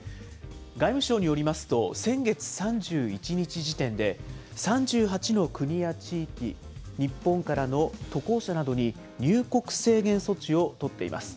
外務省によりますと、先月３１日時点で、３８の国や地域、日本からの渡航者などに入国制限措置を取っています。